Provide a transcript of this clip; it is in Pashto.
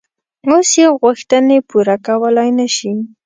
اوس یې غوښتنې پوره کولای نه شي.